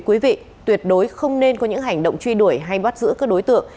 quý vị tuyệt đối không nên có những hành động truy đuổi hay bắt giữ các đối tượng